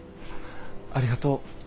ありがとう。